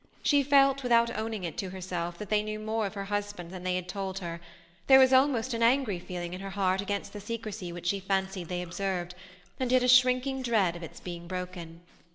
She felt, without owning it to herself, that they knew more of her husband than they had told her; there was almost an angry feeling in her heart against the secrecy which she fancied they observed, and yet a shrinking dread of its being broken.